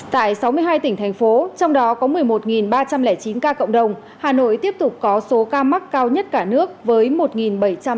tại sáu mươi hai tỉnh thành phố trong đó có một mươi một ba trăm linh chín ca cộng đồng hà nội tiếp tục có số ca mắc cao nhất cả nước với một bảy trăm ba mươi ca